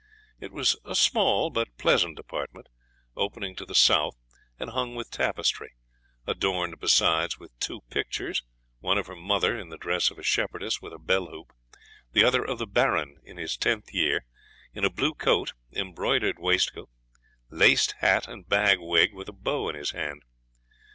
It was a small, but pleasant apartment, opening to the south, and hung with tapestry; adorned besides with two pictures, one of her mother, in the dress of a shepherdess, with a bell hoop; the other of the Baron, in his tenth year, in a blue coat, embroidered waistcoat, laced hat, and bag wig, with a bow in his hand.